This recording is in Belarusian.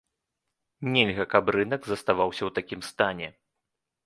Нельга, каб рынак заставаўся ў такім стане.